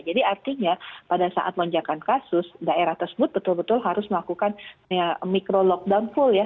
jadi artinya pada saat lonjakan kasus daerah tersebut betul betul harus melakukan mikro lockdown full ya